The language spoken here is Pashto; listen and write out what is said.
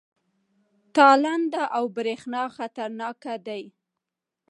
تالنده او برېښنا خطرناک دي؟